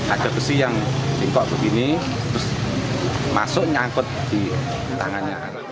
ada besi yang tingkok begini terus masuk nyangkut di tangannya